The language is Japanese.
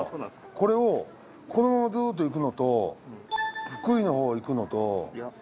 これをこのままずっと行くのと福井のほう行くのと。